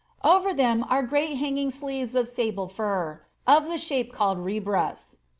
Over them are great hanging sleeves of sable fur, i shape called rebras.